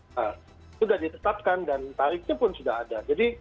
nah itu sudah ditetapkan dan tarifnya pun sudah ada